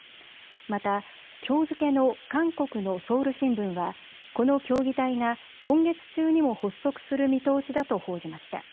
またきょう付けの韓国のソウル新聞はこの協議体が今月中にも発足する見通しだと報じました。